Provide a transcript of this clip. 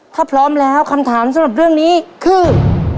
ถ้าพร้อมแล้วคำถามสำหรับเรื่องนี้คือ